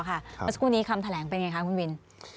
ถ้าอย่างนี้คำแถลงเป็นอย่างไรคะคุณวิน